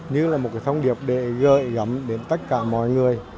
như là một thông điệp để gợi gắm đến tất cả mọi người